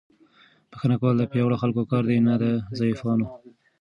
بښنه کول د پیاوړو خلکو کار دی، نه د ضعیفانو.